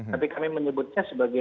tapi kami menyebutnya sebagai